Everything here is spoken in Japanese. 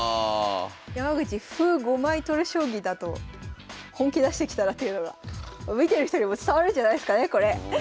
山口歩５枚取る将棋だと本気出してきたなっていうのが見てる人にも伝わるんじゃないすかねこれ。